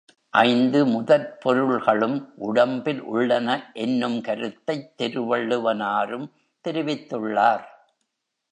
ஐந்து முதற் பொருள்களும் உடம்பில் உள்ளன என்னும் கருத்தைத் திருவள்ளுவனாரும் தெரிவித்துள் ளார்.